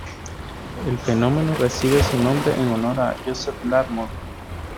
El fenómeno recibe su nombre en honor a Joseph Larmor.